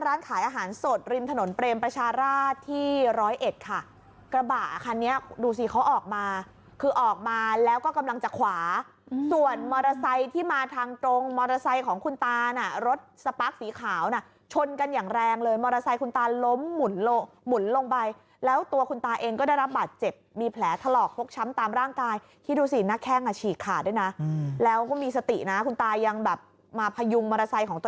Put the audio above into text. ก็ร้านขายอาหารสดริมถนนเปรมประชาราชที่ร้อยเอ็ดค่ะกระบะคันนี้ดูสิเขาออกมาคือออกมาแล้วก็กำลังจะขวาส่วนมอเตอร์ไซค์ที่มาทางตรงมอเตอร์ไซค์ของคุณตาน่ะรถสปาร์คสีขาวน่ะชนกันอย่างแรงเลยมอเตอร์ไซค์คุณตาล้มหมุนลงหมุนลงไปแล้วตัวคุณตาเองก็ได้รับบาดเจ็บมีแผลถลอกพกช้ำตามร่